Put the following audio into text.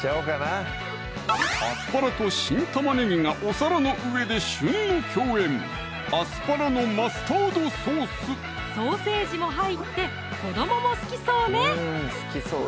アスパラと新玉ねぎがお皿の上で旬の共演ソーセージも入って子どもも好きそうね